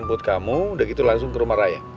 udah gitu langsung ke rumah raya